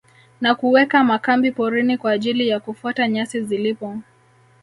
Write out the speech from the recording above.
Na kuweka makambi porini kwa ajili ya kufuata nyasi zilipo